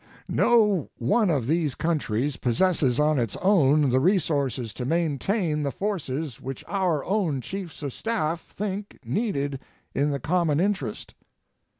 No one of these countries possesses on its own the resources to maintain the forces which our own Chiefs of Staff think needed in the common interest.